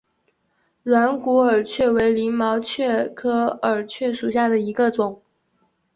软骨耳蕨为鳞毛蕨科耳蕨属下的一个种。